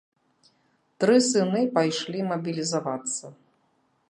Тры сыны пайшлі мабілізавацца.